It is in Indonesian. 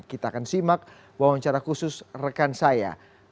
kita akan simak wawancara khusus rekan saya